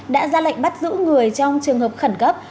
đã ra lệnh bắt giữ người trong trường hợp khẩn cấp